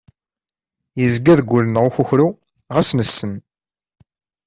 Yezga deg wul-nneɣ ukukru ɣas nessen.